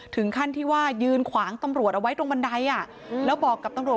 ถึงขั้นที่ว่ายืนขวางตำรวจเอาไว้ตรงบันไดอ่ะแล้วบอกกับตำรวจ